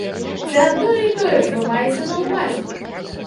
Ці адно і тое ж вы маеце на ўвазе?